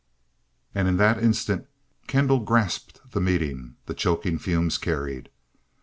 In that instant, Kendall grasped the meaning the choking fumes carried.